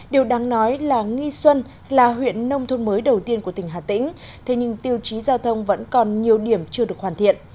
điều đáng nói là nghi xuân là huyện nông thôn mới đầu tiên của tỉnh hà tĩnh thế nhưng tiêu chí giao thông vẫn còn nhiều điểm chưa được hoàn thiện